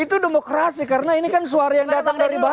itu demokrasi karena ini kan suara yang datang dari bawah